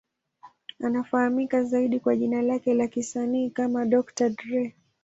Anafahamika zaidi kwa jina lake la kisanii kama Dr. Dre.